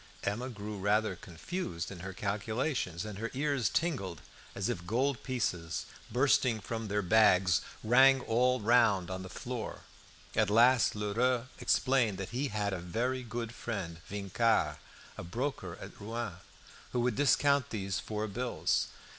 Emma grew rather confused in her calculations, and her ears tingled as if gold pieces, bursting from their bags, rang all round her on the floor. At last Lheureux explained that he had a very good friend, Vincart, a broker at Rouen, who would discount these four bills.